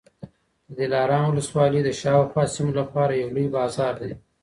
د دلارام ولسوالي د شاوخوا سیمو لپاره یو لوی بازار دی